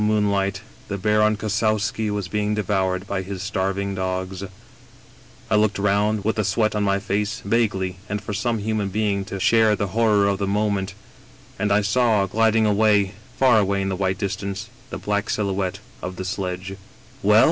moonlight, the Baron Kossowski was being devoured by his starving dogs, " I looked round, with the sweat on my face, vaguely, for some human being to share the horror of the moment, and I saw, gliding away, far away in the white distance, the black silhouette of the sledge." " Well